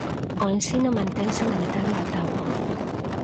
O Ensino mantense na metade da táboa.